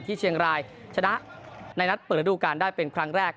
เชียงรายชนะในนัดเปิดระดูการได้เป็นครั้งแรก